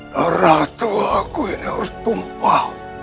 darah tua aku ini harus tumpah